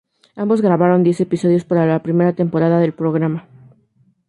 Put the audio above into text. Ambos grabaron diez episodios para la primera temporada del programa.